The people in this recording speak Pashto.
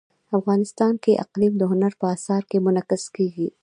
افغانستان کې اقلیم د هنر په اثار کې منعکس کېږي.